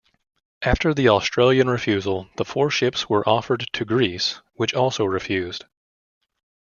After the Australian refusal, the four ships were offered to Greece, which also refused.